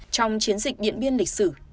trong chiến dịch điện biên lịch sử